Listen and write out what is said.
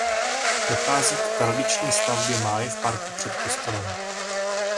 Dochází k tradiční stavbě máje v parku před kostelem.